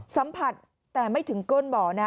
สัมผัสแต่ไม่ถึงก้นบ่อนะ